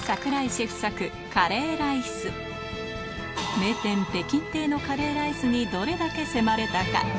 名店北京亭のカレーライスにどれだけ迫れたか？